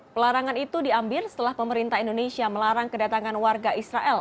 pelarangan itu diambil setelah pemerintah indonesia melarang kedatangan warga israel